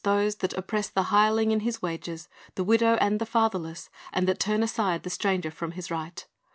. those that oppress the hireling in his wages, the widow, and the fatherless, and that turn aside the stranger from his right."